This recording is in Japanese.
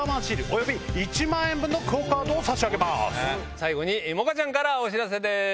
最後に萌歌ちゃんからお知らせです。